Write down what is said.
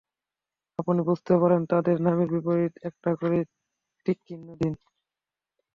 আপনি বুঝতে পারেন তাদের নামের বিপরীতে একটা করে টিক চিহ্ন দিন।